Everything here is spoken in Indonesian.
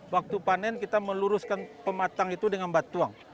waktu panen kita meluruskan pematang itu dengan batuang